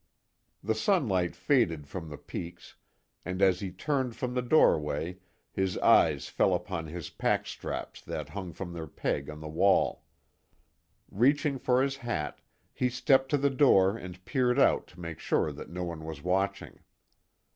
The sunlight faded from the peaks, and as he turned from the doorway, his eyes fell upon his pack straps that hung from their peg on the wall. Reaching for his hat, he stepped to the door and peered out to make sure that no one was watching.